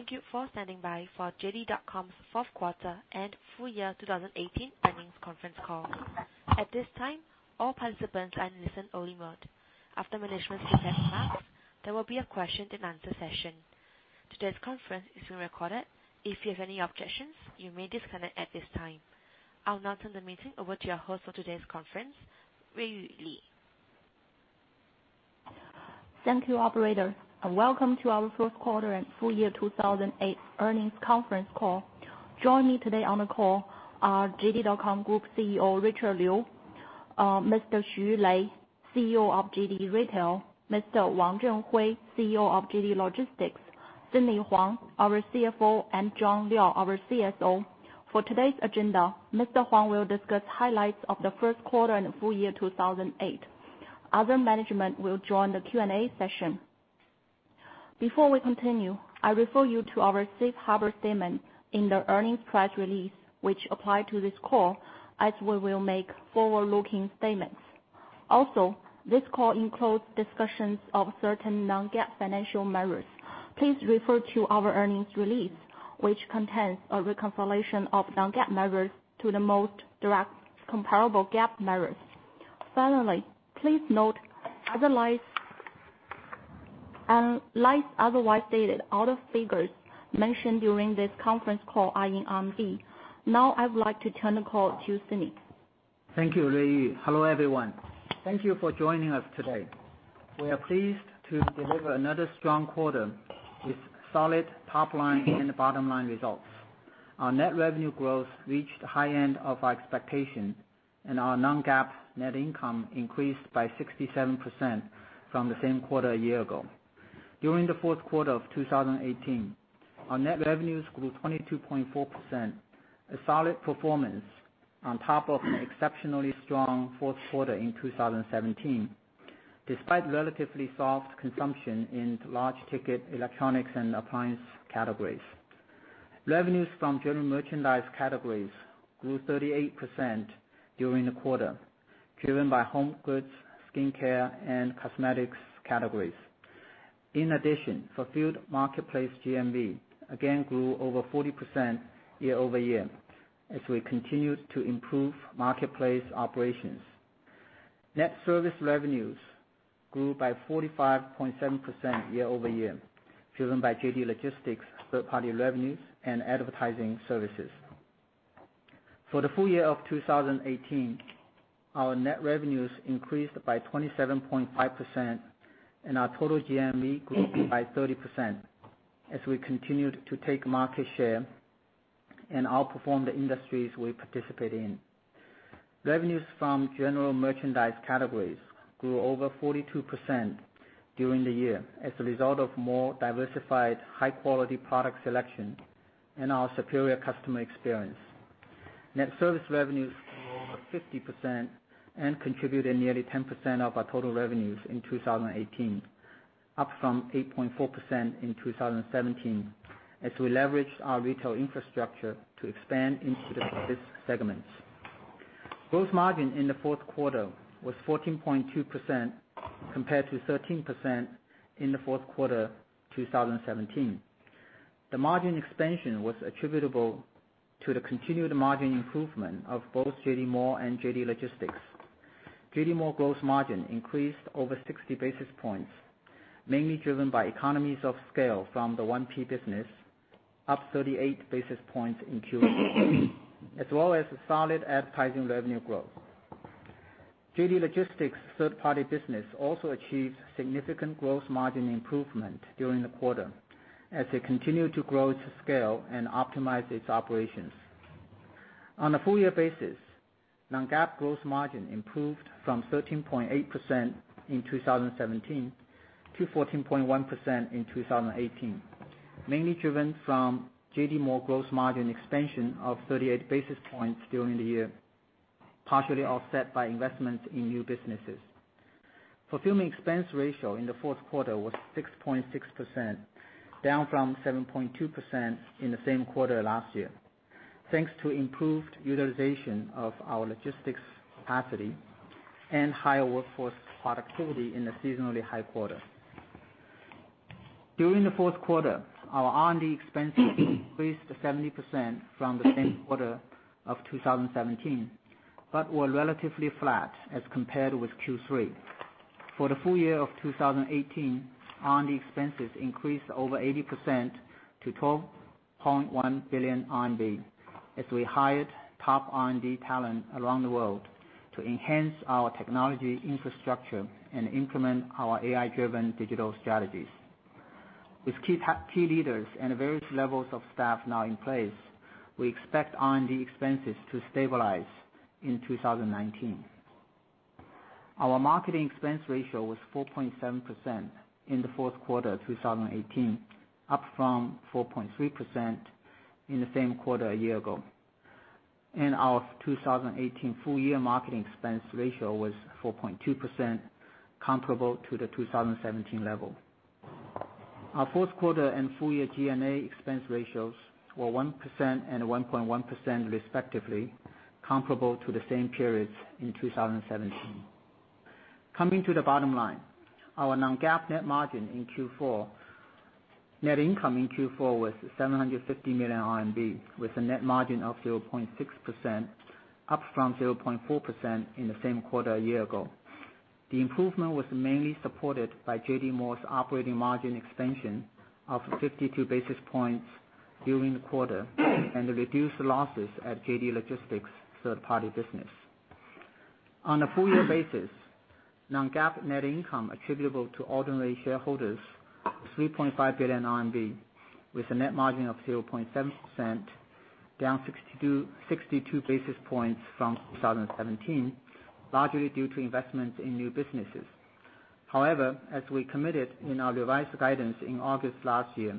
Hello, thank you for standing by for JD.com's fourth quarter and full year 2018 earnings conference call. At this time, all participants are in listen-only mode. After management's prepared remarks, there will be a question and answer session. Today's conference is being recorded. If you have any objections, you may disconnect at this time. I'll now turn the meeting over to your host for today's conference, Ruiyu Li. Thank you, operator, welcome to our fourth quarter and full year 2018 earnings conference call. Joining me today on the call are JD.com Group CEO, Richard Liu, Mr. Lei Xu, CEO of JD Retail, Mr. Zhenhui Wang, CEO of JD Logistics, Sidney Huang, our CFO, and Jon Liao, our CSO. For today's agenda, Mr. Huang will discuss highlights of the first quarter and full year 2018. Other management will join the Q&A session. Before we continue, I refer you to our safe harbor statement in the earnings press release, which apply to this call, as we will make forward-looking statements. Also, this call includes discussions of certain non-GAAP financial measures. Please refer to our earnings release, which contains a reconciliation of non-GAAP measures to the most direct comparable GAAP measures. Finally, please note, unless otherwise stated, all the figures mentioned during this conference call are in RMB. Now I would like to turn the call to Sidney. Thank you, Ruiyu. Hello, everyone. Thank you for joining us today. We are pleased to deliver another strong quarter with solid top-line and bottom-line results. Our net revenue growth reached the high end of our expectation, and our non-GAAP net income increased by 67% from the same quarter a year ago. During the Fourth Quarter of 2018, our net revenues grew 22.4%, a solid performance on top of an exceptionally strong Fourth Quarter in 2017, despite relatively soft consumption in large ticket electronics and appliance categories. Revenues from general merchandise categories grew 38% during the quarter, driven by home goods, skincare, and cosmetics categories. In addition, fulfilled marketplace GMV again grew over 40% year-over-year, as we continued to improve marketplace operations. Net service revenues grew by 45.7% year-over-year, driven by JD Logistics third-party revenues and advertising services. For the full year of 2018, our net revenues increased by 27.5%, and our total GMV grew by 30%, as we continued to take market share and outperform the industries we participate in. Revenues from general merchandise categories grew over 42% during the year as a result of more diversified, high-quality product selection and our superior customer experience. Net service revenues grew over 50% and contributed nearly 10% of our total revenues in 2018, up from 8.4% in 2017, as we leveraged our retail infrastructure to expand into the service segments. Gross margin in the fourth quarter was 14.2% compared to 13% in the fourth quarter 2017. The margin expansion was attributable to the continued margin improvement of both JD Mall and JD Logistics. JD Mall gross margin increased over 60 basis points, mainly driven by economies of scale from the 1P business, up 38 basis points in Q4, as well as solid advertising revenue growth. JD Logistics' third-party business also achieved significant gross margin improvement during the quarter as they continued to grow its scale and optimize its operations. On a full-year basis, non-GAAP gross margin improved from 13.8% in 2017 to 14.1% in 2018, mainly driven from JD Mall gross margin expansion of 38 basis points during the year, partially offset by investments in new businesses. Fulfillment expense ratio in the fourth quarter was 6.6%, down from 7.2% in the same quarter last year, thanks to improved utilization of our logistics capacity and higher workforce productivity in the seasonally high quarter. During the fourth quarter, our R&D expenses increased 70% from the same quarter of 2017, but were relatively flat as compared with Q3. For the full year of 2018, R&D expenses increased over 80% to 12.1 billion RMB as we hired top R&D talent around the world to enhance our technology infrastructure and implement our AI-driven digital strategies. With key leaders and various levels of staff now in place, we expect R&D expenses to stabilize in 2019. Our marketing expense ratio was 4.7% in the fourth quarter 2018, up from 4.3% in the same quarter a year ago. Our 2018 full-year marketing expense ratio was 4.2%, comparable to the 2017 level. Our fourth quarter and full-year G&A expense ratios were 1% and 1.1% respectively, comparable to the same periods in 2017. Coming to the bottom line, our non-GAAP net income in Q4 was 750 million RMB, with a net margin of 0.6%, up from 0.4% in the same quarter a year ago. The improvement was mainly supported by JD Mall's operating margin expansion of 52 basis points during the quarter, and the reduced losses at JD Logistics' third-party business. On a full-year basis, non-GAAP net income attributable to ordinary shareholders, 3.5 billion RMB, with a net margin of 0.7%, down 62 basis points from 2017, largely due to investments in new businesses. However, as we committed in our revised guidance in August last year,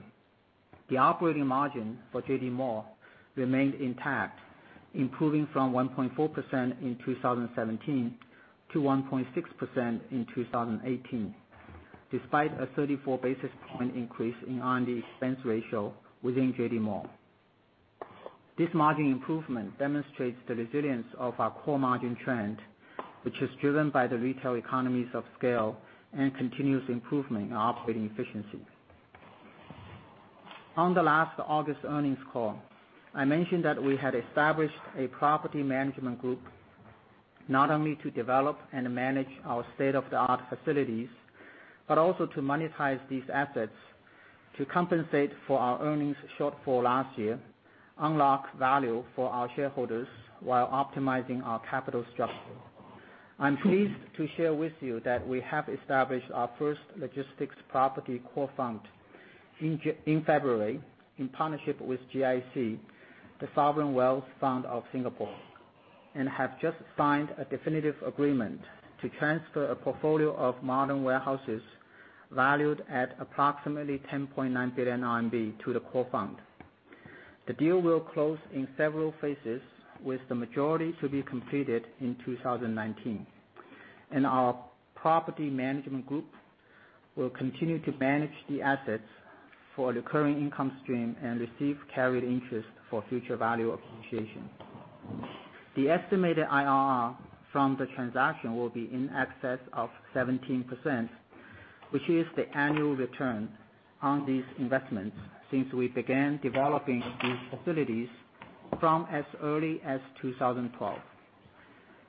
the operating margin for JD Mall remained intact, improving from 1.4% in 2017 to 1.6% in 2018, despite a 34 basis point increase in R&D expense ratio within JD Mall. This margin improvement demonstrates the resilience of our core margin trend, which is driven by the retail economies of scale and continuous improvement in operating efficiency. On the last August earnings call, I mentioned that we had established a property management group, not only to develop and manage our state-of-the-art facilities, but also to monetize these assets to compensate for our earnings shortfall last year, unlock value for our shareholders while optimizing our capital structure. I'm pleased to share with you that we have established our first logistics property core fund in February, in partnership with GIC, the sovereign wealth fund of Singapore, and have just signed a definitive agreement to transfer a portfolio of modern warehouses valued at approximately 10.9 billion RMB to the core fund. The deal will close in several phases, with the majority to be completed in 2019. Our property management group will continue to manage the assets for the current income stream and receive carried interest for future value appreciation. The estimated IRR from the transaction will be in excess of 17%, which is the annual return on these investments since we began developing these facilities from as early as 2012.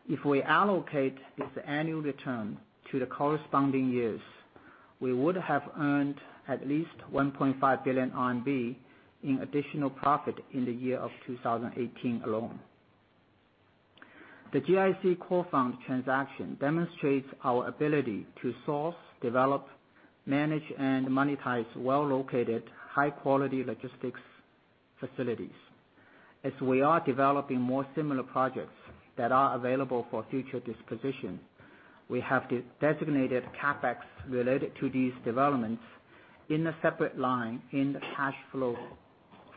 If we allocate this annual return to the corresponding years, we would have earned at least 1.5 billion RMB in additional profit in the year of 2018 alone. The GIC core fund transaction demonstrates our ability to source, develop, manage, and monetize well-located, high-quality logistics facilities. As we are developing more similar projects that are available for future disposition, we have designated CapEx related to these developments in a separate line in the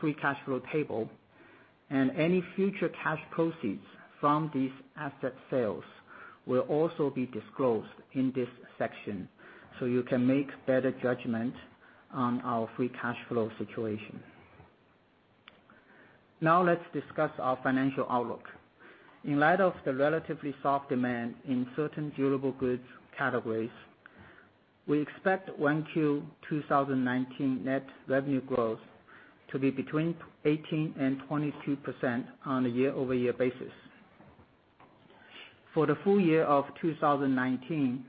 free cash flow table, and any future cash proceeds from these asset sales will also be disclosed in this section, so you can make better judgment on our free cash flow situation. Now let's discuss our financial outlook. In light of the relatively soft demand in certain durable goods categories, we expect 1Q 2019 net revenue growth to be between 18% and 22% on a year-over-year basis. For the full year of 2019,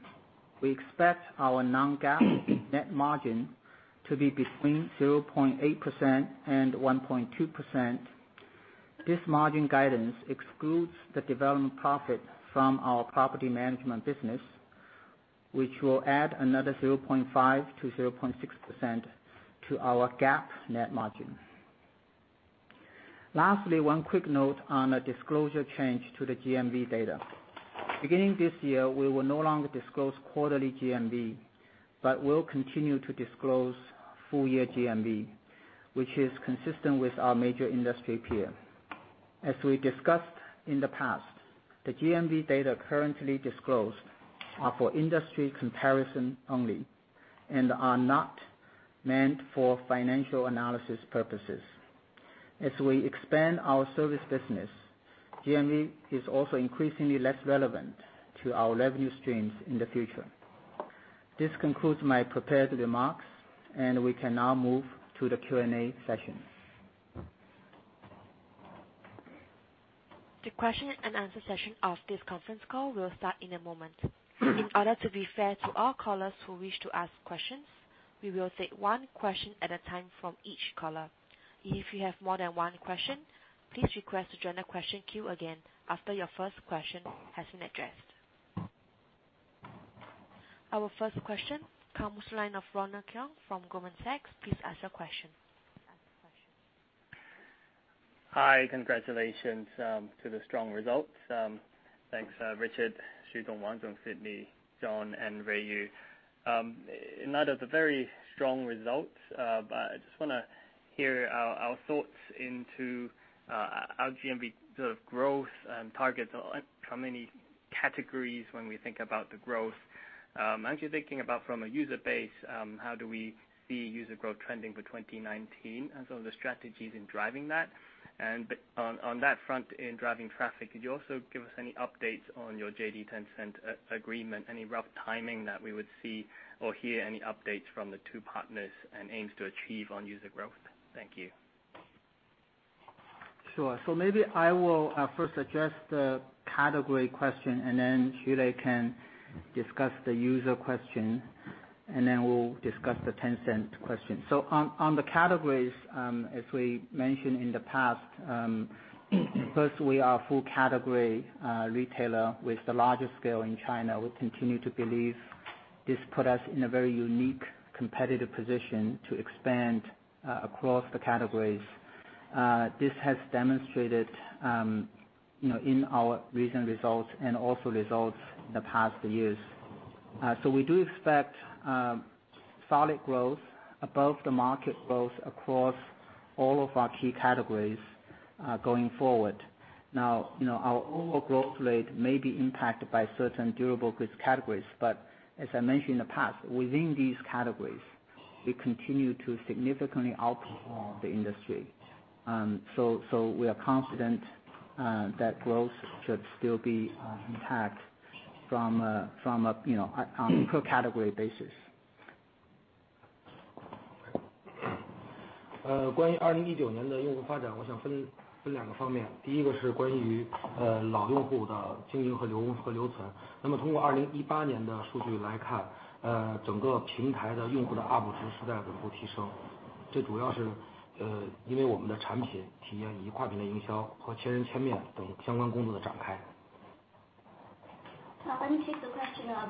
we expect our non-GAAP net margin to be between 0.8% and 1.2%. This margin guidance excludes the development profit from our property management business, which will add another 0.5% to 0.6% to our GAAP net margin. Lastly, one quick note on a disclosure change to the GMV data. Beginning this year, we will no longer disclose quarterly GMV, but will continue to disclose full-year GMV, which is consistent with our major industry peer. As we discussed in the past, the GMV data currently disclosed are for industry comparison only and are not meant for financial analysis purposes. As we expand our service business, GMV is also increasingly less relevant to our revenue streams in the future. This concludes my prepared remarks, and we can now move to the Q&A session. The question and answer session of this conference call will start in a moment. In order to be fair to all callers who wish to ask questions, we will take one question at a time from each caller. If you have more than one question, please request to join the question queue again after your first question has been addressed. Our first question comes line of Ronald Keung from Goldman Sachs. Please ask your question. Hi. Congratulations to the strong results. Thanks, Richard, Xu, Zhenhui, Sidney, John, and Ruiyu. In light of the very strong results, I just want to hear our thoughts into our GMV growth and targets from any categories when we think about the growth. I'm actually thinking about from a user base, how do we see user growth trending for 2019, and some of the strategies in driving that. On that front, in driving traffic, could you also give us any updates on your JD Tencent agreement? Any rough timing that we would see or hear any updates from the two partners and aims to achieve on user growth? Thank you. Sure. Maybe I will first address the category question, Lei Xu can discuss the user question, we'll discuss the Tencent question. On the categories, as we mentioned in the past, firstly, we are a full category retailer with the largest scale in China. We continue to believe this put us in a very unique competitive position to expand across the categories. This has demonstrated in our recent results and also results in the past years. We do expect solid growth above the market growth across all of our key categories, going forward. Now, our overall growth rate may be impacted by certain durable goods categories, as I mentioned in the past, within these categories, we continue to significantly outperform the industry. We are confident that growth should still be intact from a per category basis. Let me take the question of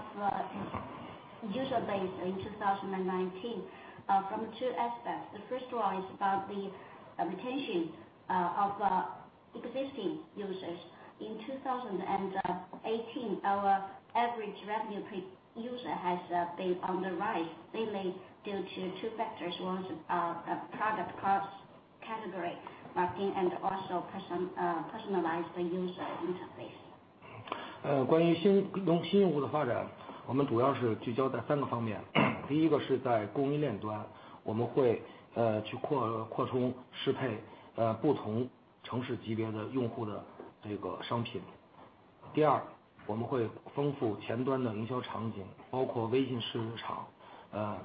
user base in 2019, from 2 aspects. The first one is about the retention of existing users. In 2018, our average revenue per user has been on the rise, mainly due to 2 factors. One is our product cross-category marketing and also personalized user interface. For our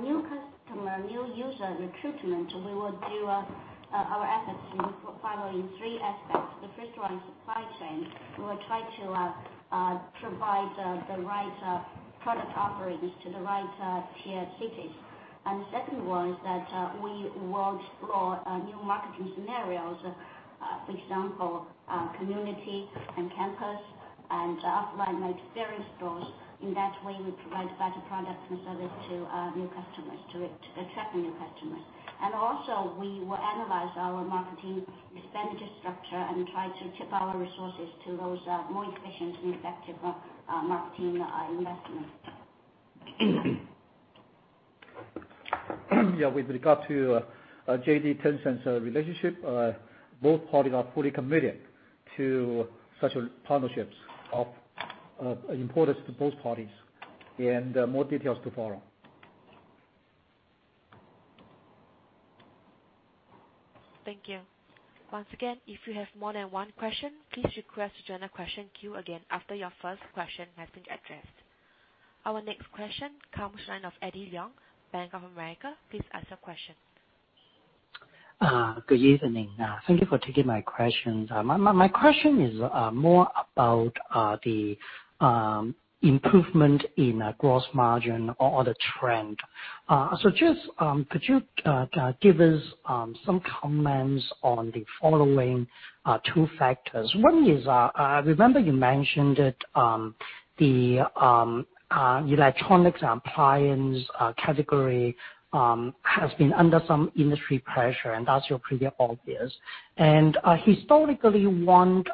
new customer, new user recruitment, we will do our efforts following 3 aspects. The first one is supply chain. We will try to provide the right product offerings to the right tier cities. The second one is that we will explore new marketing scenarios. For example, community and campus and offline like experience stores. In that way, we provide better products and service to new customers to attract the new customers. Also we will analyze our marketing expenditure structure and try to tip our resources to those more efficient and effective marketing investments. Yeah. With regard to JD Tencent's relationship, both parties are fully committed to such a partnerships of importance to both parties. More details to follow. Thank you. Once again, if you have more than one question, please request to join the question queue again after your first question has been addressed. Our next question comes in of Eddie Leung, Bank of America. Please ask your question. Good evening. Thank you for taking my questions. My question is more about the improvement in gross margin or the trend. Just could you give us some comments on the following two factors? One is, I remember you mentioned that the electronics and appliance category has been under some industry pressure, and that's pretty obvious. Historically, one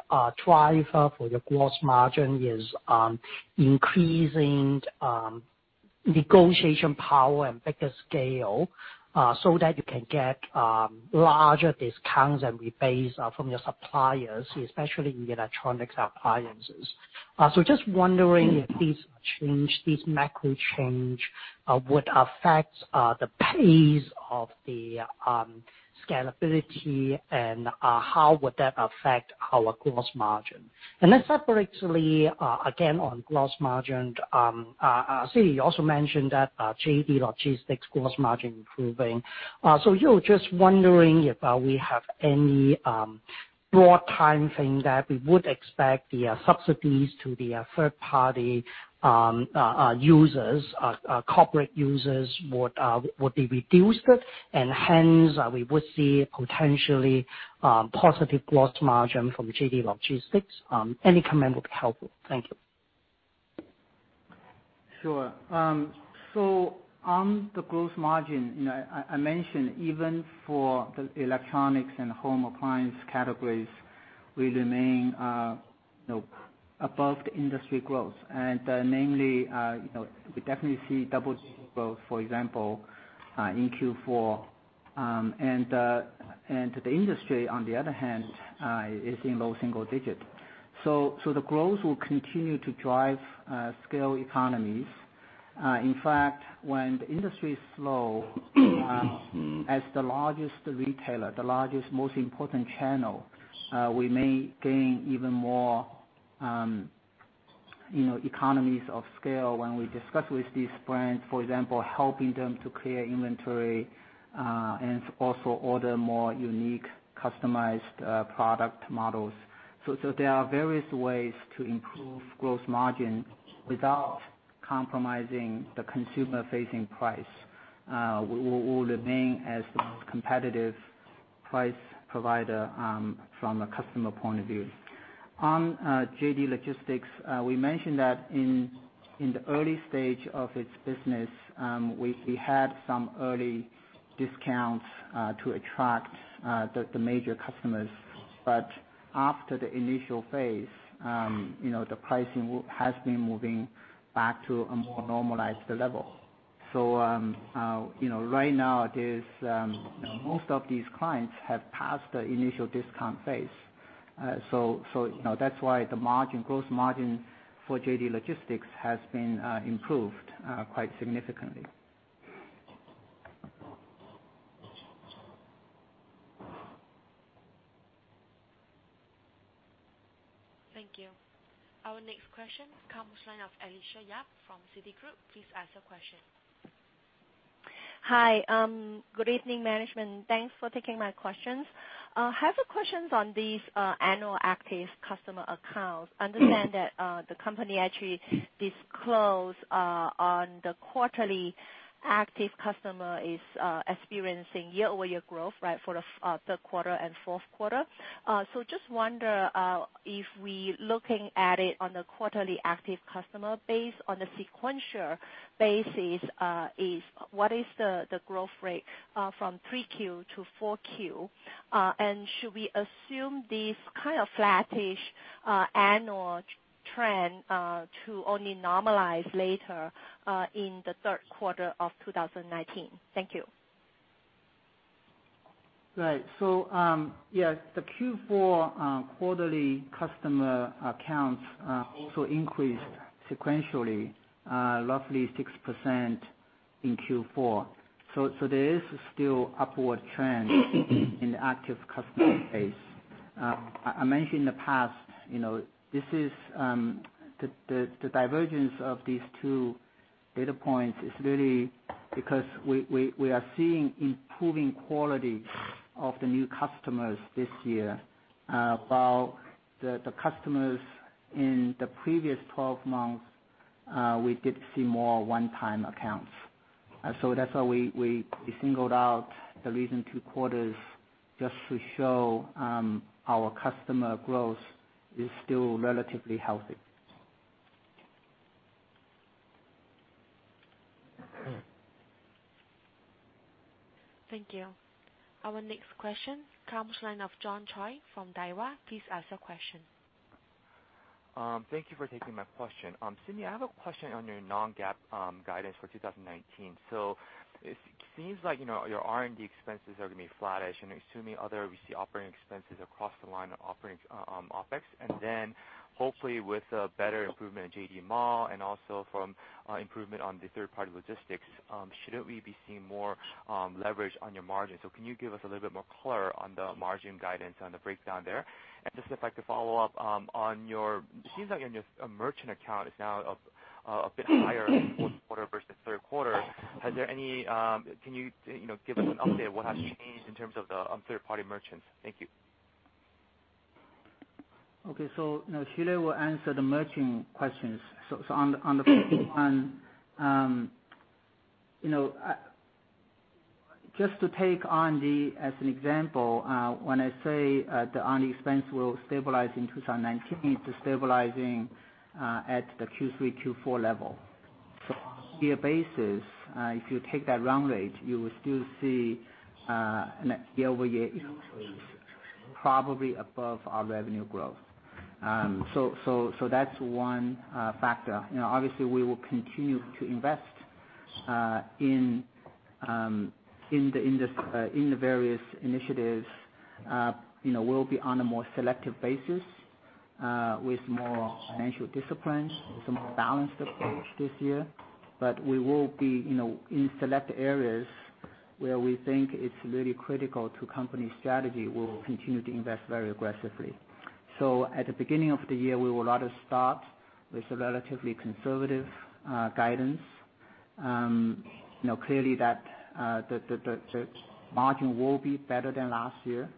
driver for your gross margin is increasing negotiation power and bigger scale so that you can get larger discounts and rebates from your suppliers, especially in electronics appliances. Just wondering if this change, this macro change, would affect the pace of the scalability and how would that affect our gross margin? Separately, again, on gross margin, I see you also mentioned that JD Logistics gross margin improving. Yeah, just wondering if we have any broad timing that we would expect the subsidies to the third party users, corporate users would be reduced, and hence we would see potentially positive gross margin from JD Logistics. Any comment would be helpful. Thank you. Sure. On the gross margin, I mentioned even for the electronics and home appliance categories. We remain above the industry growth. Namely, we definitely see double growth, for example, in Q4. To the industry, on the other hand, is in low single digit. The growth will continue to drive scale economies. In fact, when the industry is slow, as the largest retailer, the largest, most important channel, we may gain even more economies of scale when we discuss with these brands, for example, helping them to clear inventory, and also order more unique, customized product models. There are various ways to improve gross margin without compromising the consumer-facing price. We will remain as the most competitive price provider from a customer point of view. On JD Logistics, we mentioned that in the early stage of its business, we had some early discounts to attract the major customers. After the initial phase, the pricing has been moving back to a more normalized level. Right now, most of these clients have passed the initial discount phase. That's why the gross margin for JD Logistics has been improved quite significantly. Thank you. Our next question comes line of Alicia Yap from Citigroup. Please ask your question. Hi. Good evening, management. Thanks for taking my questions. I have questions on these annual active customer accounts. Understand that the company actually disclosed on the quarterly active customer is experiencing year-over-year growth for the third quarter and fourth quarter. Just wonder if we looking at it on a quarterly active customer base on the sequential basis, what is the growth rate from 3Q to 4Q? Should we assume this kind of flattish annual trend to only normalize later in the third quarter of 2019? Thank you. Right. Yes, the Q4 quarterly customer accounts also increased sequentially, roughly 6% in Q4. There is still upward trend in the active customer base. I mentioned in the past, the divergence of these two data points is really because we are seeing improving quality of the new customers this year. While the customers in the previous 12 months, we did see more one-time accounts. That's why we singled out the recent two quarters just to show our customer growth is still relatively healthy. Thank you. Our next question comes line of John Choi from Daiwa. Please ask your question. Thank you for taking my question. Sidney, I have a question on your non-GAAP guidance for 2019. It seems like your R&D expenses are going to be flattish and assuming other, we see operating expenses across the line of operating OpEx. Hopefully with a better improvement in JD Mall and also from improvement on the third-party logistics, shouldn't we be seeing more leverage on your margin? Can you give us a little bit more color on the margin guidance on the breakdown there? If I could follow up, it seems like your merchant account is now a bit higher fourth quarter versus third quarter. Can you give us an update what has changed in terms of the third-party merchants? Thank you. Okay. Lei Xu will answer the merchant questions. On the first one, just to take on the, as an example, when I say the OpEx will stabilize in 2019, it's stabilizing at the Q3, Q4 level. On a year basis, if you take that run rate, you will still see an year-over-year probably above our revenue growth. That's one factor. Obviously, we will continue to invest in the various initiatives. We'll be on a more selective basis, with more financial disciplines, with a more balanced approach this year. We will be in select areas where we think it's really critical to company strategy, we will continue to invest very aggressively. At the beginning of the year, we will rather start with a relatively conservative guidance. Clearly the margin will be better than last year.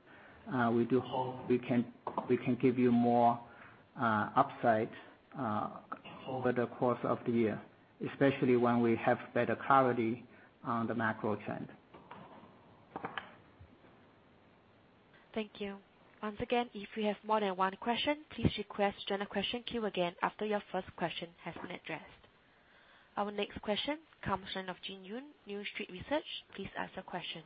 We do hope we can give you more upside over the course of the year, especially when we have better clarity on the macro trend. Thank you. Once again, if you have more than one question, please request in the question queue again after your first question has been addressed. Our next question comes from line of Jin Yoon, New Street Research. Please ask your question.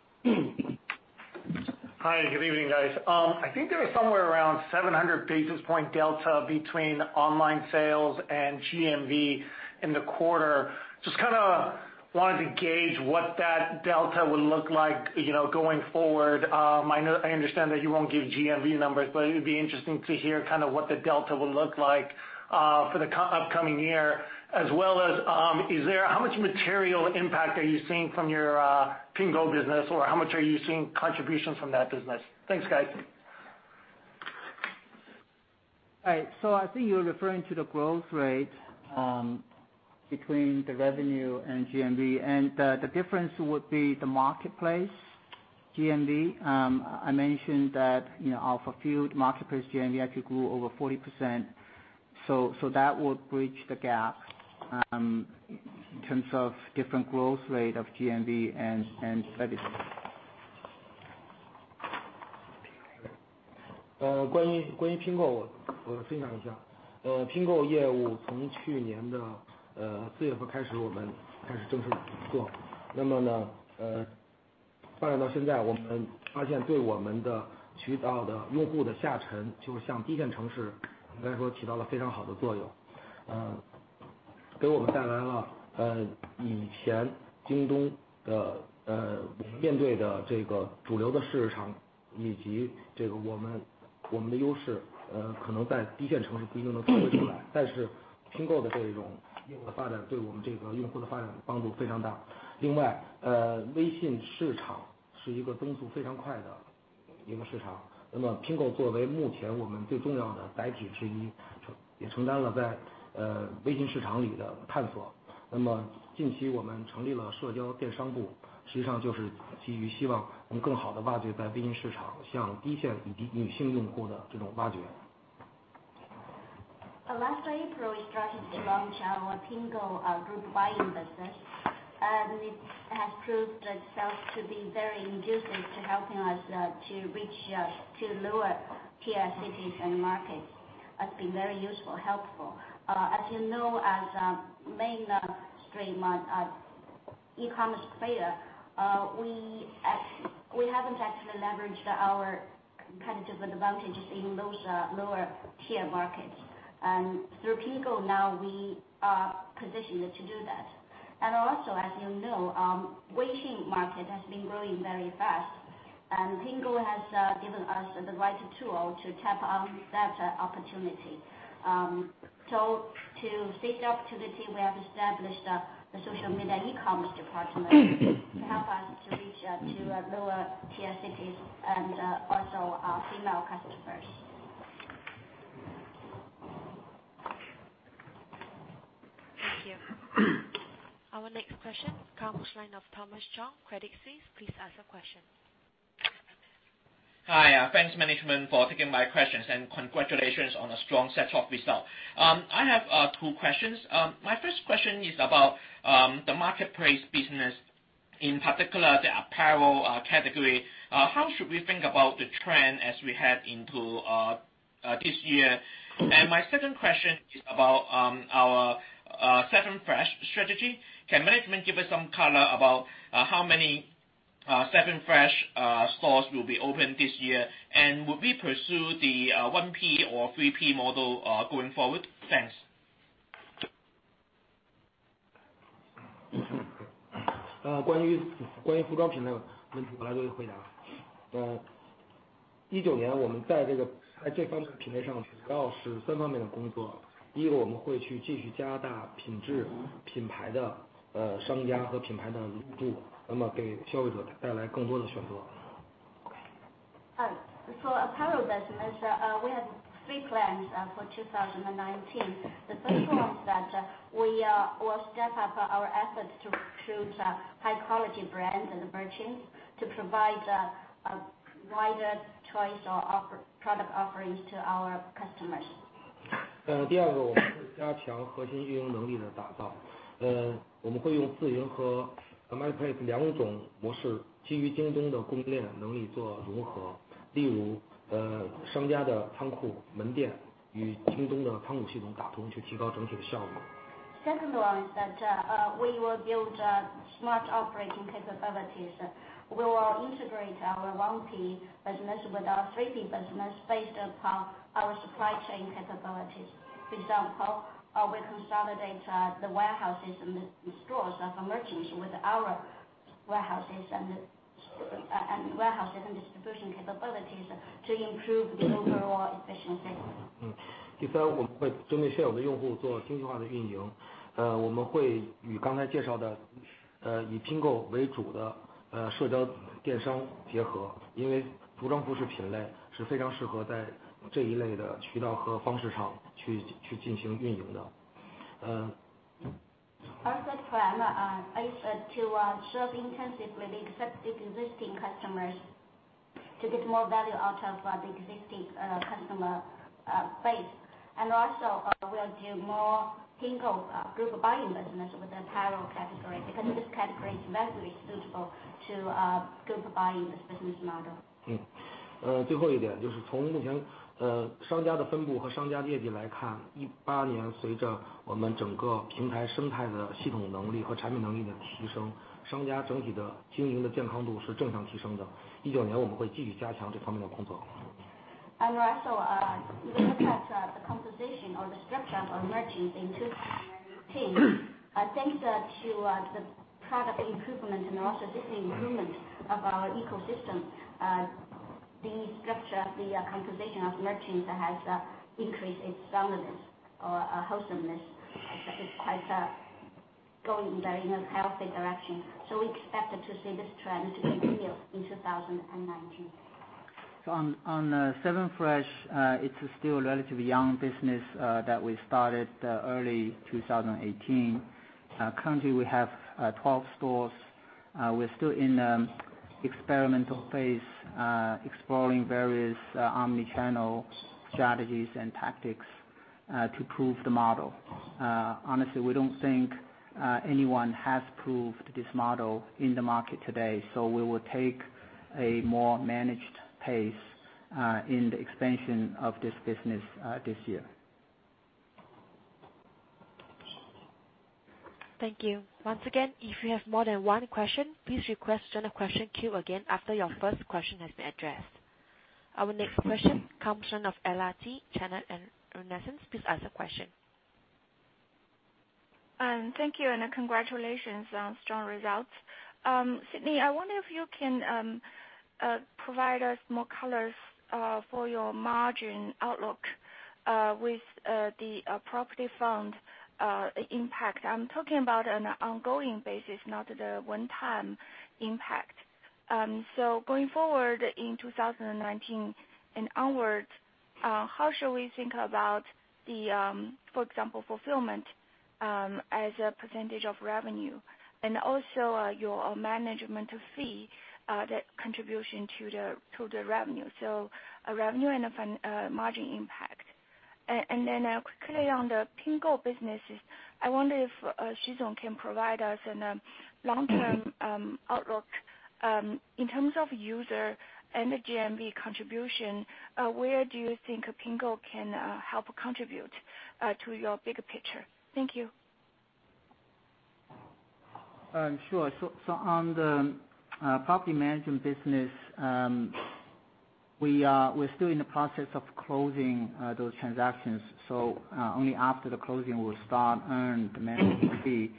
Hi. Good evening, guys. I think there was somewhere around 700 basis point delta between online sales and GMV in the quarter. Just kind of wanted to gauge what that delta will look like going forward. I understand that you won't give GMV numbers, but it'd be interesting to hear kind of what the delta will look like for the upcoming year, as well as how much material impact are you seeing from your Pingou business, or how much are you seeing contributions from that business? Thanks, guys. Right. I think you're referring to the growth rate between the revenue and GMV, and the difference would be the marketplace GMV. I mentioned that our fulfilled marketplace GMV actually grew over 40%. That would bridge the gap in terms of different growth rate of GMV and service. Last April, we started to launch our Pingou group buying business, and it has proved itself to be very inducing to helping us to reach out to lower-tier cities and markets. That's been very useful, helpful. As you know, as a mainstream e-commerce player, we haven't actually leveraged our competitive advantages in those lower-tier markets. Through Pingou, now we are positioned to do that. Also, as you know, Weixin has been growing very fast, and Pingou has given us the right tool to tap on that opportunity. To seize the opportunity, we have established the social media e-commerce department to help us to reach out to lower-tier cities and also our female customers. Thank you. Our next question comes from the line of Thomas Chong, Credit Suisse. Please ask your question. Hi. Thanks management for taking my questions and congratulations on a strong set of results. I have two questions. My first question is about the marketplace business, in particular the apparel category. How should we think about the trend as we head into this year? My second question is about our 7Fresh strategy. Can management give us some color about how many 7Fresh stores will be open this year, and will we pursue the 1P or 3P model going forward? Thanks. For apparel business, we have three plans for 2019. The first one is that we will step up our efforts to recruit high-quality brands and merchants to provide a wider choice of product offerings to our customers. The second one is that we will build smart operating capabilities. We will integrate our 1P business with our 3P business based upon our supply chain capabilities. For example, we consolidate the warehouses and the stores of merchants with our warehouses and distribution capabilities to improve the overall efficiency. Our third plan is to serve intensively the existing customers to get more value out of our existing customer base. Also, we'll do more Pingou group buying business with them. Great. Because this category is very suitable to group buying business model. 最后一点就是从目前商家的分布和商家业绩来看，18年随着我们整个平台生态的系统能力和产品能力的提升，商家整体的经营的健康度是正常提升的。19年我们会继续加强这方面的工作。If you look at the composition or the structure of merchants in 2018, thanks to the product improvement and also this improvement of our ecosystem. The structure, the composition of merchants has increased its soundness or wholesomeness. It's quite going in a very healthy direction. We expect to see this trend continue in 2019. On 7Fresh, it's still a relatively young business that we started early 2018. Currently, we have 12 stores. We're still in the experimental phase, exploring various omni-channel strategies and tactics to prove the model. Honestly, we don't think anyone has proved this model in the market today, so we will take a more managed pace in the expansion of this business this year. Thank you. Once again, if you have more than one question, please request another question queue again after your first question has been addressed. Our next question comes from of LRT, Janet Renesance, please ask your question. Thank you. Congratulations on strong results. Sidney, I wonder if you can provide us more colors for your margin outlook with the property fund impact. I'm talking about on an ongoing basis, not the one-time impact. Going forward in 2019 and onwards, how shall we think about, for example, fulfillment as a percentage of revenue? Your management fee, that contribution to the revenue. A revenue and a margin impact. Quickly on the Pingou businesses, I wonder if Sidney can provide us a long-term outlook in terms of user and the GMV contribution, where do you think Pingou can help contribute to your bigger picture? Thank you. Sure. On the property management business, we're still in the process of closing those transactions. Only after the closing we will start earning the management fee.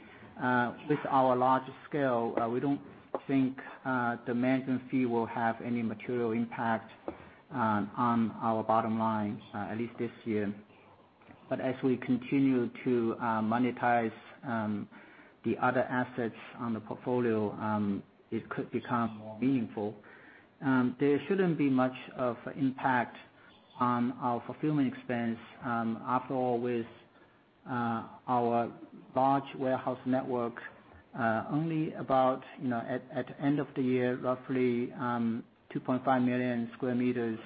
With our large scale, we don't think the management fee will have any material impact on our bottom line, at least this year. As we continue to monetize the other assets on the portfolio, it could become meaningful. There shouldn't be much of an impact on our fulfillment expense. After all, with our large warehouse network only about, at the end of the year, roughly 2.5 million sq m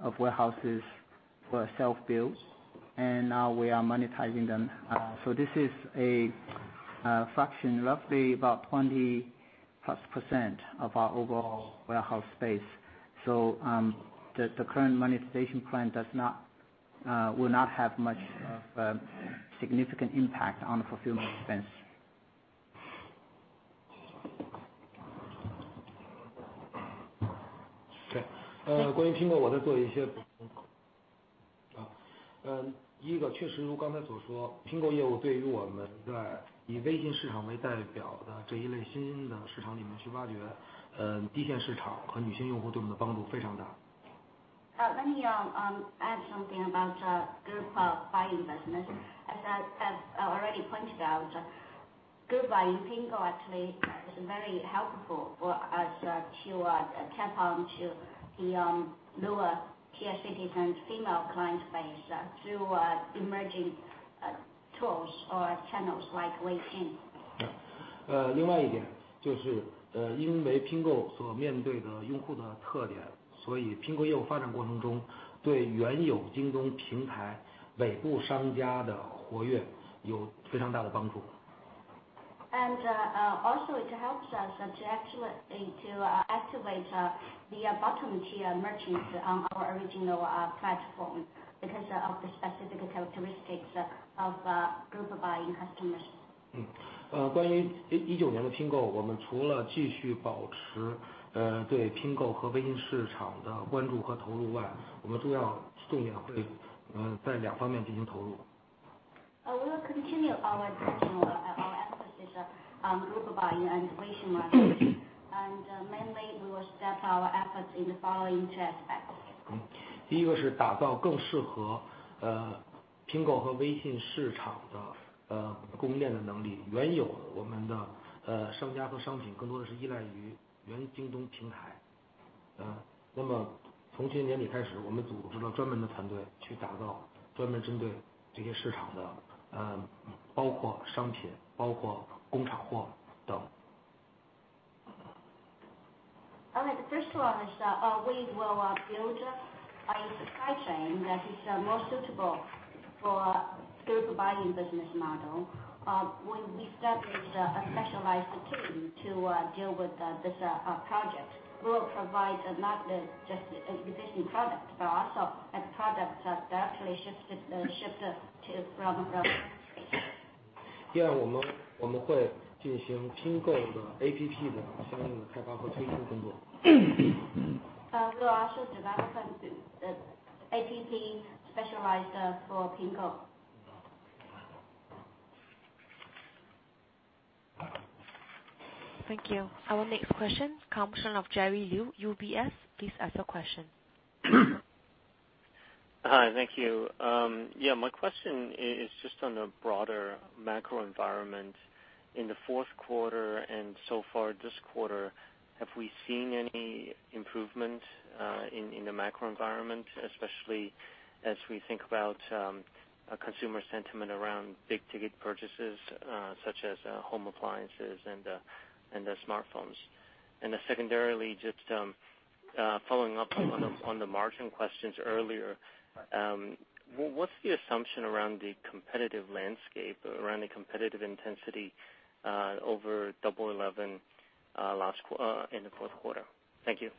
of warehouses were self-built, and now we are monetizing them. This is a fraction, roughly about 20-plus % of our overall warehouse space. The current monetization plan will not have much of a significant impact on the fulfillment expense. 关于拼购我再做一些补充。一个确实如刚才所说，拼购业务对于我们在以微信市场为代表的这一类新的市场里面去挖掘低线市场和女性用户对我们的帮助非常大。Let me add something about group buying business. As I already pointed out, group buying JD Pingou actually is very helpful for us to tap on to the lower-tier cities and female client base through emerging tools or channels like WeChat. 另外一点就是因为拼购所面对的用户的特点，所以拼购业务发展过程中，对原有京东平台尾部商家的活跃有非常大的帮助。Also it helps us to activate the bottom-tier merchants on our original platform because of the specific characteristics of group buying customers. 关于19年的拼购，我们除了继续保持对拼购和微信市场的关注和投入外，我们重要重点会在两方面进行投入。We will continue our attention, our emphasis on group buying and information and mainly we will step our efforts in the following two aspects. 第一个是打造更适合拼购和微信市场的供应链的能力。原有我们的商家和商品更多的是依赖于原京东平台。那么从今年年里开始，我们组织了专门的团队去打造专门针对这些市场的包括商品，包括工厂货等 First of all, we will build a supply chain that is more suitable for group buying business model. We established a specialized team to deal with this project. We will provide not just existing products, but also products that actually shifted from space. We are also developing the APP specialized for Pingou. Thank you. Our next question comes from Jerry Liu, UBS. Please ask your question. Hi. Thank you. My question is just on the broader macro environment in the fourth quarter and so far this quarter. Have we seen any improvement in the macro environment? Especially as we think about consumer sentiment around big-ticket purchases such as home appliances and smartphones. Secondarily, just following up on the margin questions earlier, what's the assumption around the competitive landscape, around the competitive intensity, over Double 11 in the fourth quarter? Thank you.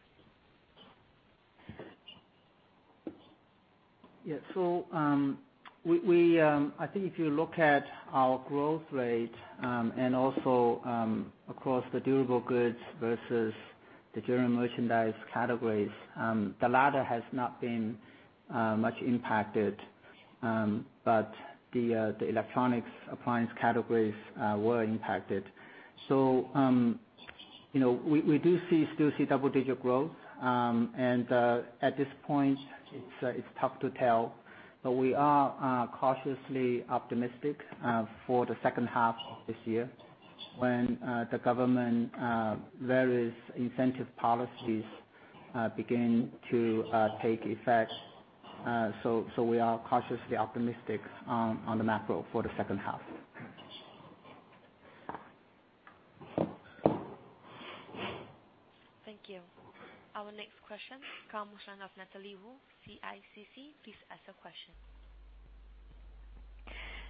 I think if you look at our growth rate and also, of course, the durable goods versus the general merchandise categories, the latter has not been much impacted. But the electronics appliance categories were impacted. We do still see double-digit growth. At this point, it's tough to tell, but we are cautiously optimistic for the second half of this year when the government's various incentive policies begin to take effect. We are cautiously optimistic on the macro for the second half. Thank you. Our next question comes from Natalie Wu, CICC. Please ask your question.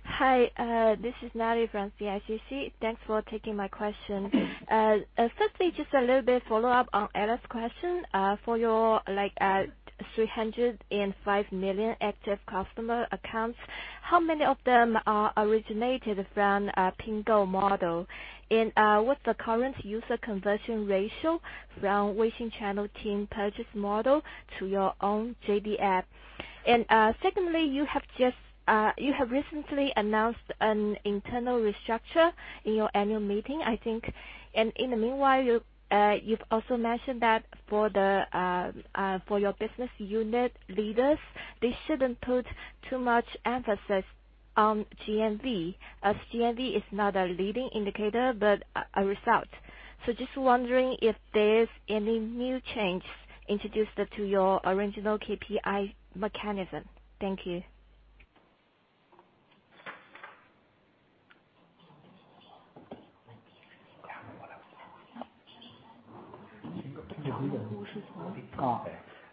Hi, this is Natalie from CICC. Thanks for taking my question. Just a little bit follow-up on question, for your 305 million active customer accounts, how many of them are originated from Pingou model? What's the current user conversion ratio from Weixin channel team purchase model to your own JD app? Secondly, you have recently announced an internal restructure in your annual meeting, I think. In the meanwhile, you've also mentioned that for your business unit leaders, they shouldn't put too much emphasis on GMV, as GMV is not a leading indicator but a result. Just wondering if there's any new changes introduced to your original KPI mechanism. Thank you.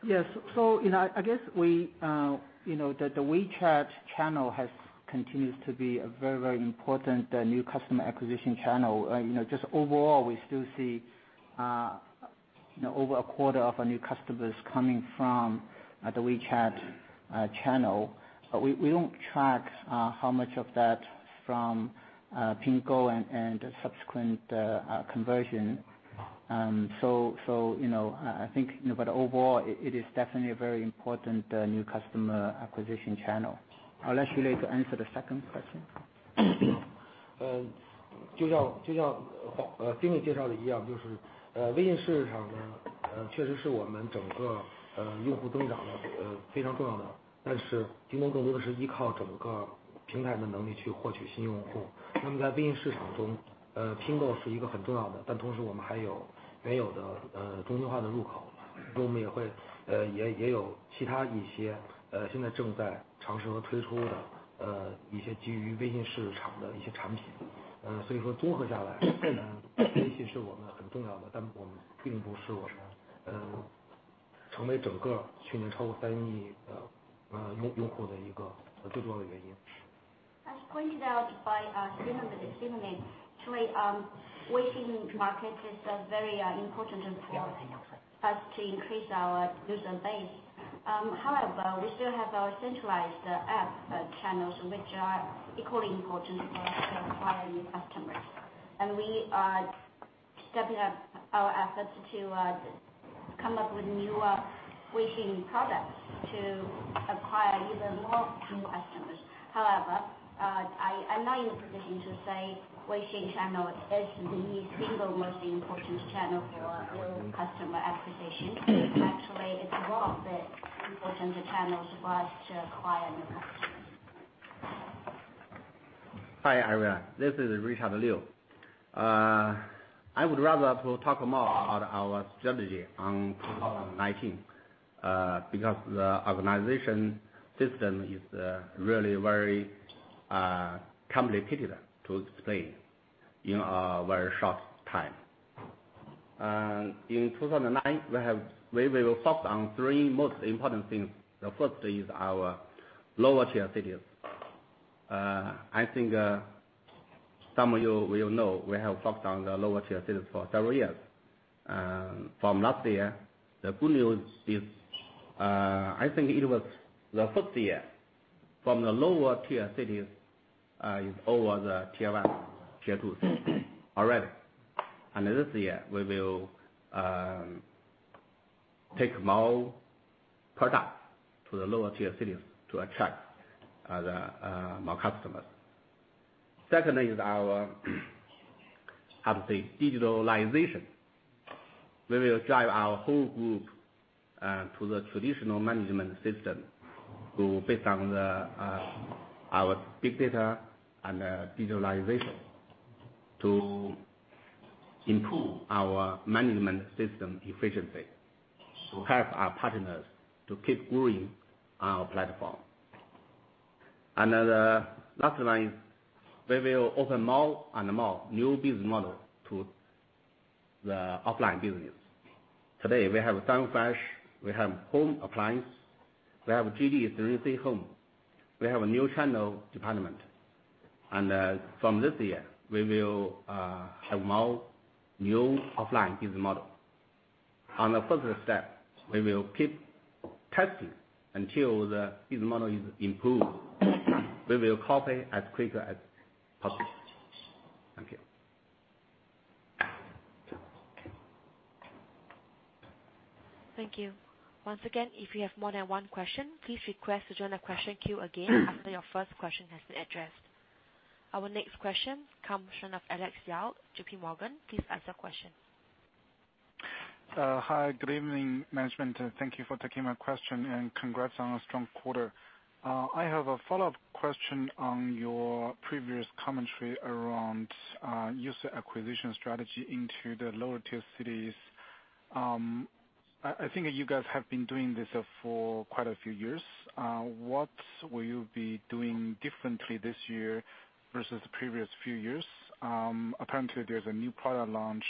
Yes. I guess the WeChat channel continues to be a very important new customer acquisition channel. Just overall, we still see over a quarter of our new customers coming from the WeChat channel. We don't track how much of that from Pingou and subsequent conversion. I think overall it is definitely a very important new customer acquisition channel. I'll let Lei Xu answer the second question. As pointed out by Xu Ming, actually, Weixin market is very important for us to increase our user base. However, we still have our centralized app channels, which are equally important for acquiring new customers. We are stepping up our efforts to come up with newer Weixin products to acquire even more new customers. However, I'm not in a position to say Weixin channel is the single most important channel for new customer acquisition. Actually, it's all the important channels for us to acquire new customers. Hi, everyone. This is Richard Liu. I would rather talk more about our strategy. 2019. The organization system is really very complicated to explain in a very short time. In 2019, we will focus on three most important things. The first is our lower tier cities. I think some of you will know we have focused on the lower tier cities for several years. From last year, the good news is, I think it was the first year from the lower tier cities is over the tier 1, tier 2 already. This year we will take more products to the lower tier cities to attract more customers. Secondly is our how to say? Digitalization. We will drive our whole group to the traditional management system to based on our big data and digitalization to improve our management system efficiency, to help our partners to keep growing our platform. The last one is we will open more and more new business model to the offline business. Today we have 7Fresh, we have home appliance, we have JD 3C Home. We have a new channel department. From this year we will have more new offline business model. On the further step, we will keep testing until the business model is improved. We will copy as quickly as possible. Thank you. Thank you. Once again, if you have more than one question, please request to join the question queue again after your first question has been addressed. Our next question comes from the line of Alex Yao, JPMorgan. Please ask your question. Hi. Good evening, management. Thank you for taking my question, and congrats on a strong quarter. I have a follow-up question on your previous commentary around user acquisition strategy into the lower tier cities. I think that you guys have been doing this for quite a few years. What will you be doing differently this year versus the previous few years? Apparently there's a new product launch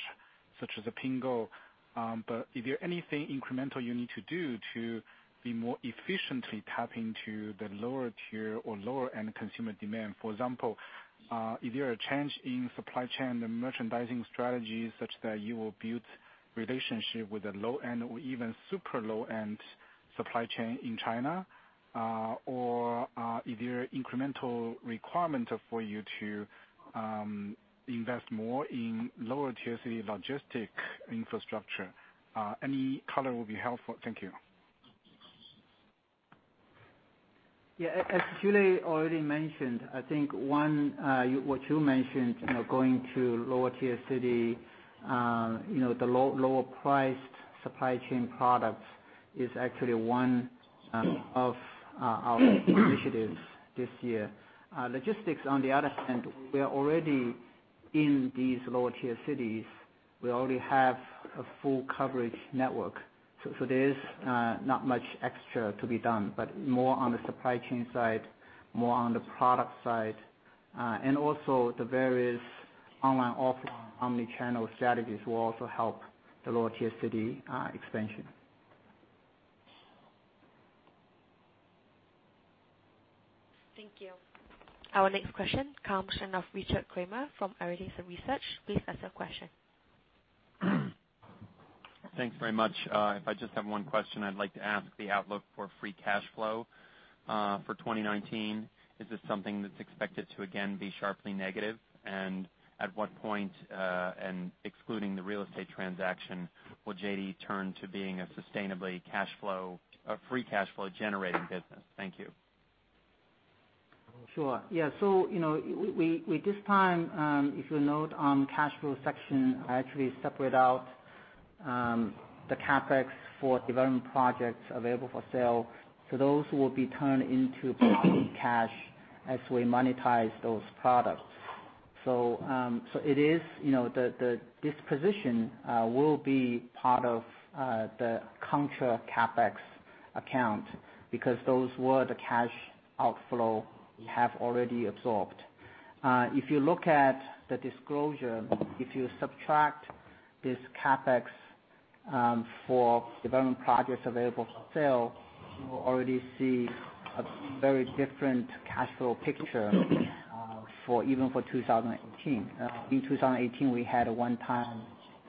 such as the JD Pingou. Is there anything incremental you need to do to be more efficiently tap into the lower tier or lower-end consumer demand? For example, is there a change in supply chain and merchandising strategies such that you will build relationship with the low-end or even super low-end supply chain in China? Is there incremental requirement for you to invest more in lower tier city logistics infrastructure? Any color will be helpful. Thank you. As Lei Xu already mentioned, I think what you mentioned, going to lower tier city, the lower priced supply chain products is actually one of our initiatives this year. Logistics, on the other hand, we are already in these lower tier cities. We already have a full coverage network. There is not much extra to be done, but more on the supply chain side, more on the product side. Also, the various online, offline omni-channel strategies will also help the lower tier city expansion. Thank you. Our next question comes in of Richard Kramer from Arete Research. Please ask your question. Thanks very much. If I just have one question, I'd like to ask the outlook for free cash flow, for 2019. Is this something that's expected to again be sharply negative? At what point, and excluding the real estate transaction, will JD turn to being a sustainably free cash flow generating business? Thank you. Sure. Yeah. We this time, if you note on cash flow section, I actually separate out the CapEx for development projects available for sale. Those will be turned into cash as we monetize those products. This position will be part of the contra-CapEx account because those were the cash outflow we have already absorbed. If you look at the disclosure, if you subtract this CapEx for development projects available for sale, you will already see a very different cash flow picture even for 2018. In 2018, we had a one-time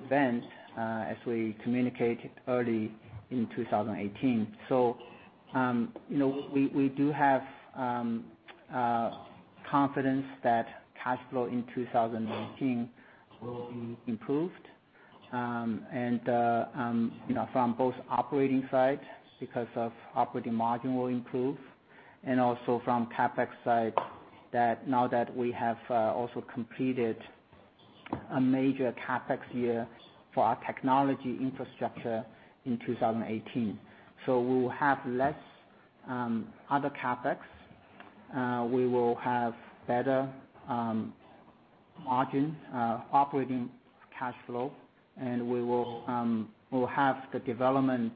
event as we communicated early in 2018. We do have confidence that cash flow in 2019 will be improved. From both operating sides, because of operating margin will improve, and also from CapEx side, that now that we have also completed a major CapEx year for our technology infrastructure in 2018. We will have less other CapEx. We will have better Margin operating cash flow. We will have the development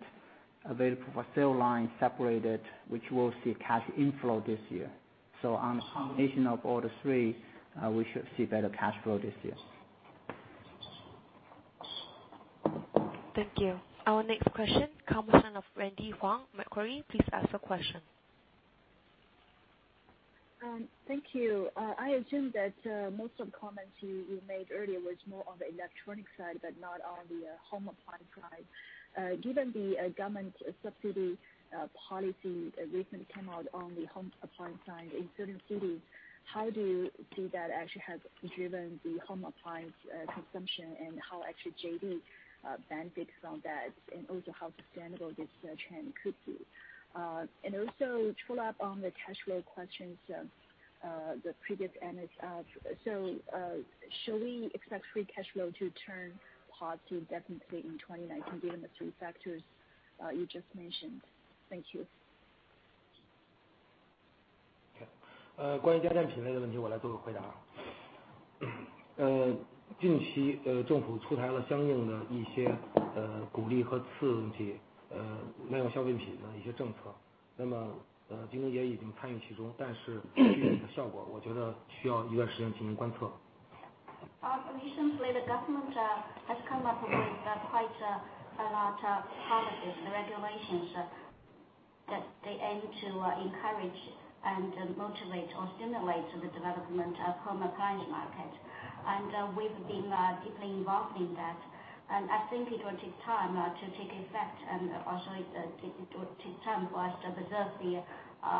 available for sale line separated, which will see cash inflow this year. On combination of all three, we should see better cash flow this year. Thank you. Our next question comes in of Wendy Huang, Macquarie. Please ask your question. Thank you. I assume that most of comments you made earlier was more on the electronic side but not on the home appliance side. Given the government subsidy policy recently came out on the home appliance side in certain cities, how do you see that actually has driven the home appliance consumption and how actually JD benefits from that? How sustainable this trend could be. Follow-up on the cash flow questions the previous analyst asked. Should we expect free cash flow to turn positive definitely in 2019 given the three factors you just mentioned? Thank you. Recently, the government has come up with quite a lot of policies and regulations that they aim to encourage and motivate or stimulate the development of home appliance market. We've been deeply involved in that. I think it will take time to take effect and also it will take time for us to observe the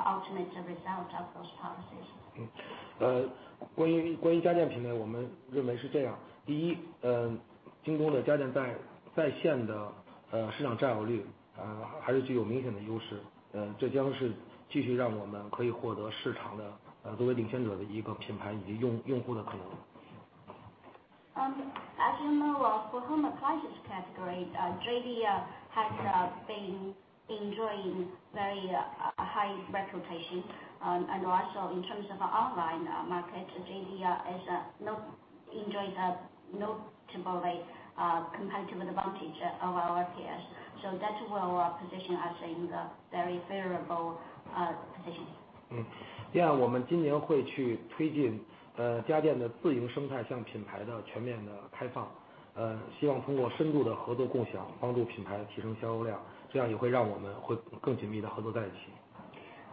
ultimate result of those policies. As you know, for home appliances category, JD has been enjoying very high reputation. In terms of online market, JD is enjoying a notable competitive advantage over our peers. That will position us in the very favorable position.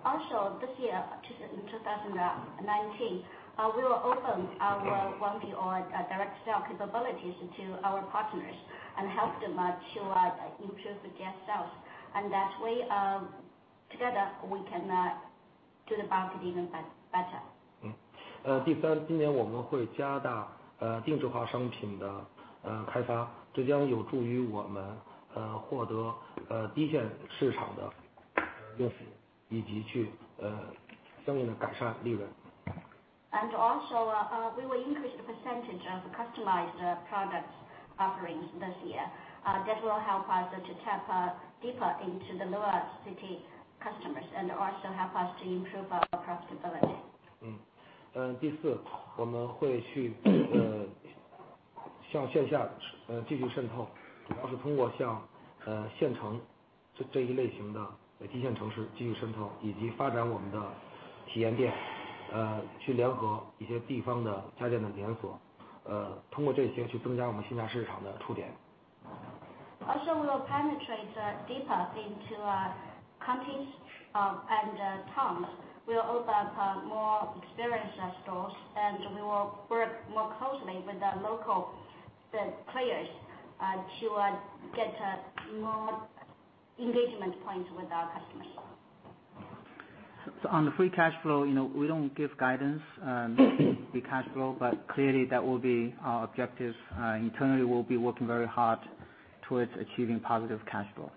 Also, this year, 2019, we will open our 1P or direct sale capabilities to our partners and help them to improve their sales. That way together we can do the market even better. Also, we will increase the percentage of customized products offerings this year. That will help us to tap deeper into the lower city customers and also help us to improve our profitability. Also, we will penetrate deeper into counties and towns. We'll open up more experience stores, and we will work more closely with the local players to get more engagement points with our customers. On the free cash flow, we don't give guidance on free cash flow, but clearly that will be our objective. Internally, we'll be working very hard towards achieving positive cash flow.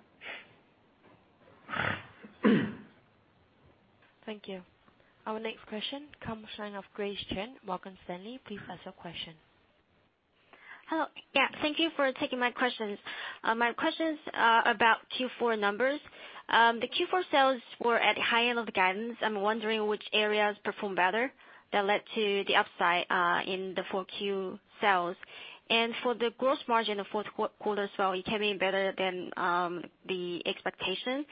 Thank you. Our next question comes in of Grace Chen, Morgan Stanley. Please ask your question. Hello. Yeah, thank you for taking my questions. My question's about Q4 numbers. The Q4 sales were at high end of the guidance. I'm wondering which areas performed better that led to the upside in the 4Q sales. For the gross margin of fourth quarter as well, it came in better than the expectation.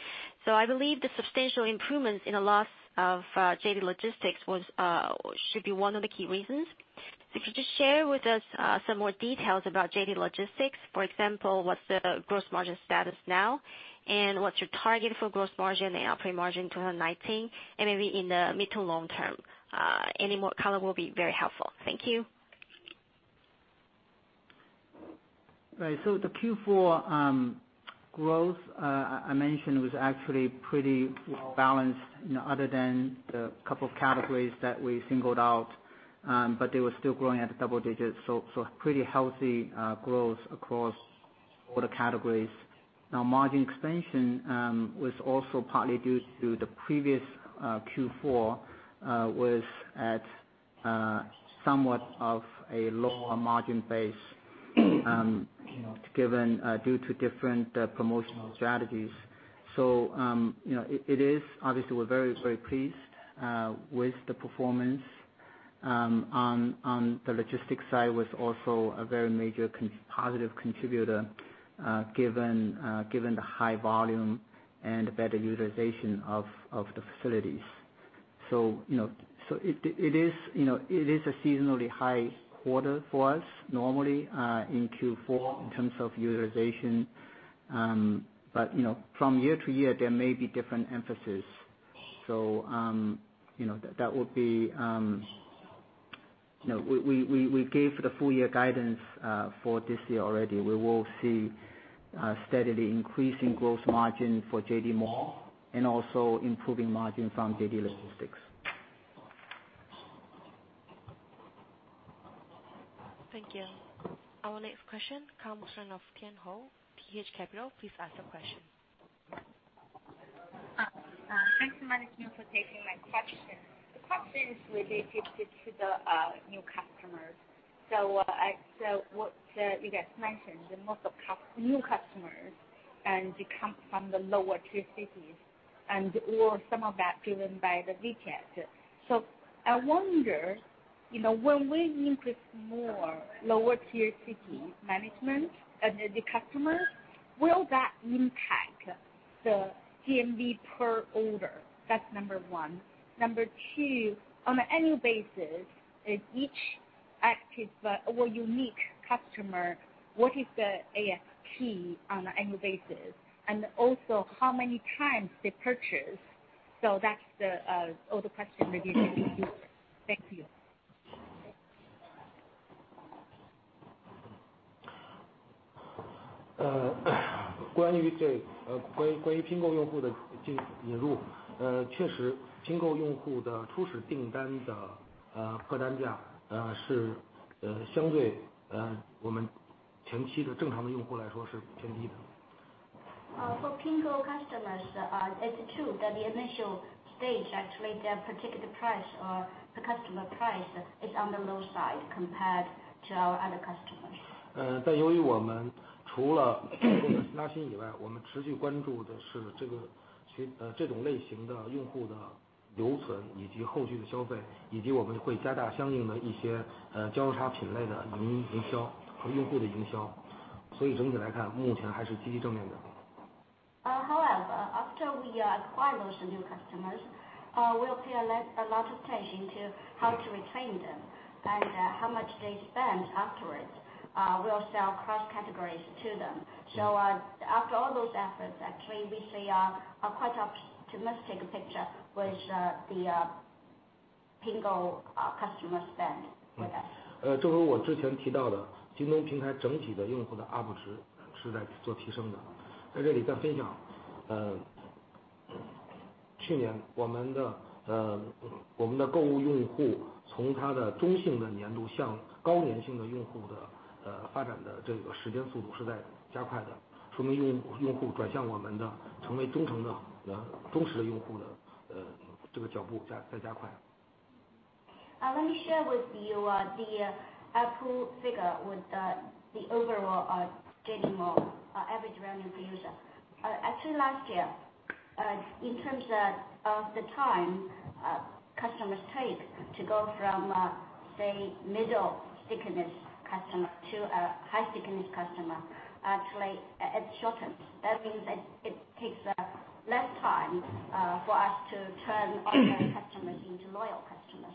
I believe the substantial improvements in the loss of JD Logistics should be one of the key reasons. Could you just share with us some more details about JD Logistics? For example, what's the gross margin status now, and what's your target for gross margin and operating margin in 2019 and maybe in the mid to long term? Any more color will be very helpful. Thank you. Right. The Q4 growth I mentioned was actually pretty balanced, other than the couple of categories that we singled out. They were still growing at double digits, pretty healthy growth across all the categories. Margin expansion was also partly due to the previous Q4 was at somewhat of a lower margin base due to different promotional strategies. Obviously, we're very, very pleased with the performance on the logistics side, was also a very major positive contributor, given the high volume and better utilization of the facilities. It is a seasonally high quarter for us, normally, in Q4 in terms of utilization. From year to year, there may be different emphasis. We gave the full year guidance for this year already. We will see steadily increasing gross margin for JD Mall, and also improving margin from JD Logistics. Thank you. Our next question comes from the line of Tian Hou, T.H. Capital. Please ask your question. Thanks so much for taking my question. The question is related to the new customers. What you guys mentioned, most of new customers come from the lower tier cities, some of that driven by the WeChat. I wonder, when we increase more lower tier city management and the customers, will that impact the GMV per order? That's number 1. Number 2, on an annual basis, if each active or unique customer, what is the ASP on an annual basis? And also how many times they purchase? That's all the question that is related. Thank you. For Jingxi customers, it's true that the initial stage, actually, their particular price or the customer price is on the low side compared to our other customers. However, after we acquire those new customers, we'll pay a lot of attention to how to retain them and how much they spend afterwards. We'll sell cross-categories to them. After all those efforts, actually, we see a quite optimistic picture with the Jingxi customer spend with us. Let me share with you the ARPU figure with the overall JD Mall average revenue per user. Actually, last year, in terms of the time customers take to go from, say, middle thickness customer to a high thickness customer, actually, it shortens. That means that it takes less time for us to turn ordinary customers into loyal customers.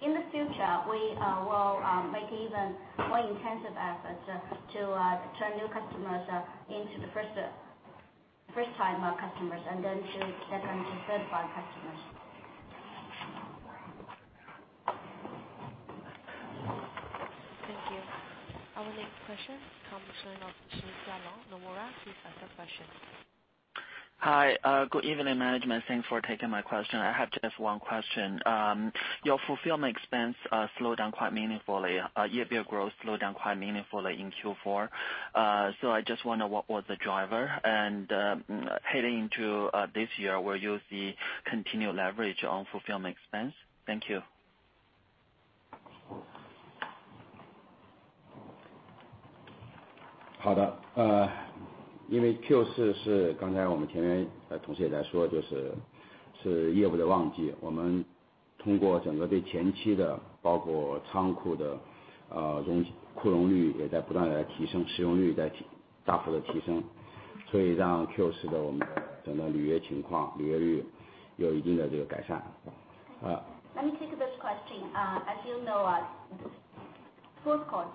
In the future, we will make even more intensive efforts to turn new customers into the first-time customers and then to turn them into certified customers. Thank you. Our next question comes from the line of Jialong Shi, Nomura. Please ask your question. Hi. Good evening, management. Thanks for taking my question. I have just one question. Your fulfillment expense slowed down quite meaningfully. Year-over-year growth slowed down quite meaningfully in Q4. I just wonder what was the driver, and heading into this year, will you see continued leverage on fulfillment expense? Thank you. Let me take this question. As you know, fourth quarter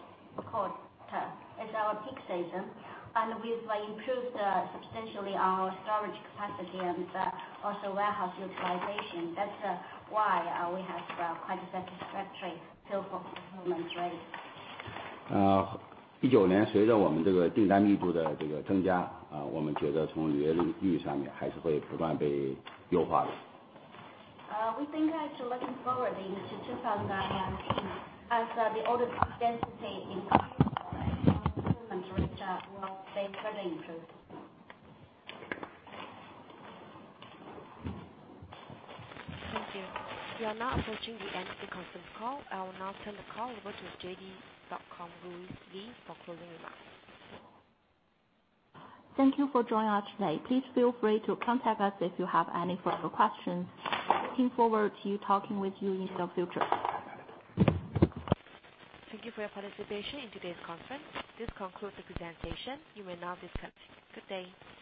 is our peak season, and we've improved substantially our storage capacity and also warehouse utilization. That's why we have quite a satisfactory fulfillment rate. We think that looking forward into 2019, as the order density improves, our fulfillment rate will stay further improved. Thank you. We are now approaching the end of the conference call. I will now turn the call over to JD.com Ruiyu Li for closing remarks. Thank you for joining us today. Please feel free to contact us if you have any further questions. Looking forward to talking with you in the future. Thank you for your participation in today's conference. This concludes the presentation. You may now disconnect. Good day.